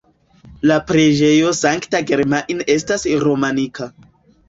La preĝejo Sankta Germain estas romanika.